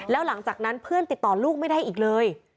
แล้วหลังจากนั้นเพื่อนติดต่อลูกไม่ได้อีกเลย